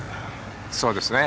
そうですね。